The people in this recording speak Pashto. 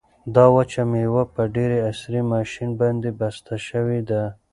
دا وچه مېوه په ډېر عصري ماشین باندې بسته شوې ده.